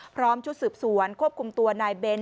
พร้อมชุดสืบสวนควบคุมตัวนายเบนท